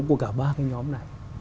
của cả ba cái nhóm này